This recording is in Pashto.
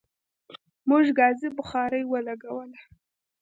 موږ ګازی بخاری ولګوله